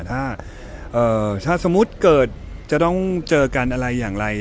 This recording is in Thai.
ถ้าสมมุติเกิดจะต้องเจอกันอะไรอย่างไร